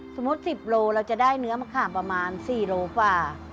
สมมุติ๑๐โลเราจะได้เนื้อมะขามประมาณ๔โลกว่า